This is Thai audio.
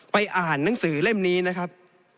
อ่านหนังสือเล่มนี้นะครับ